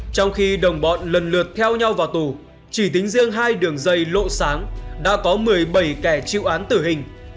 trong khi đồng bọn lần lượt theo nhau vào tù chỉ tính riêng hai đường dây lộ sáng đã có một mươi bảy kẻ chịu án tử hình